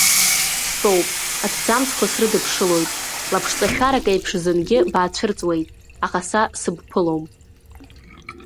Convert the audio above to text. Стәоуп, аҭӡамцқәа срыдыԥшылоит, лаԥшҵашәарак еиԥш зынгьы баацәырҵуеит, аха са сыбԥылом…